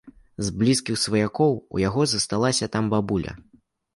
З блізкіх сваякоў у яго засталася там бабуля.